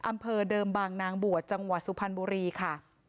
อำเภอเดิมบางนางบวชจังหวัดสุพรรณบุรีค่ะ